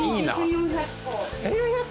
１，４００個？